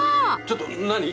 ちょっと何？